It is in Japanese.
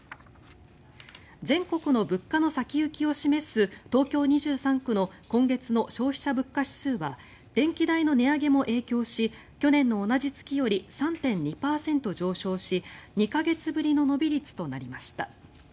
全国の物価の先行きを示す東京２３区の今月の消費者物価指数は電気代の値上げも影響し去年の同じ月より３．２％上昇し２か月ぶりの伸び率となりました。